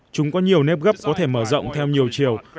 chúng có nhiều nếp gấp có thể mở rộng theo nhiều chiều